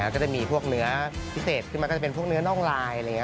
ก็จะมีพวกเนื้อพิเศษคือมันก็จะเป็นพวกเนื้อน่องลาย